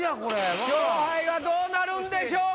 勝敗はどうなるんでしょうか？